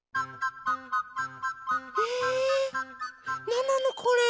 なんなのこれ？